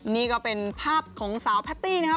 นี่ก็เป็นภาพของสาวแพตตี้นะครับ